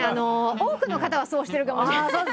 多くの方はそうしてるかもしれない。